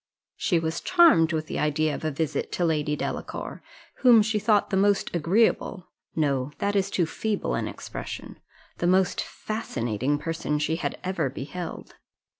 She was charmed with the idea of a visit to Lady Delacour, whom she thought the most agreeable no, that is too feeble an expression the most fascinating person she had ever beheld.